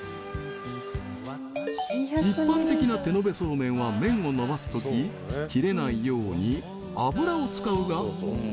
［一般的な手延べそうめんは麺を延ばすとき切れないように油を使うが］